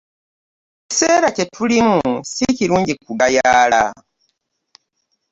Ekiseera kye tulimu si kirungi kugayaala.